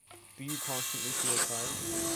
Do you constantly feel tired?